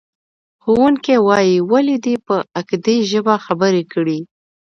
ښوونکی وایي، ولې دې په اکدي ژبه خبرې کړې؟